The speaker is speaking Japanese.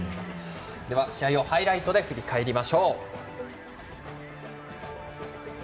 試合をハイライトで振り返りましょう。